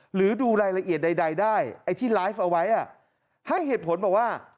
หรือดูรายละเอียดใดได้ไอ้ที่ไลฟ์เอาไว้ให้เหตุผลบอกว่า